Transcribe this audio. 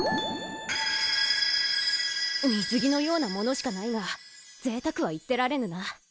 水着のようなものしかないが贅沢は言ってられぬな。